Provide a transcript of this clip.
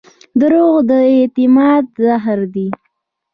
دروغ د اعتماد زهر دي.